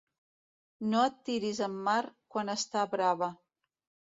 No et tiris en mar quan està brava.